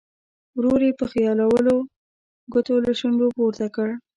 ورو یې په خیالولو ګوتو له شونډو پورته کړ.